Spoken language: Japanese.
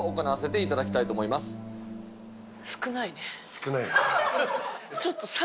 少ないね。